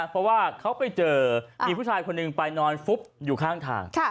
เพราะว่าเขาไปเจอมีผู้ชายคนหนึ่งไปนอนฟุบอยู่ข้างทาง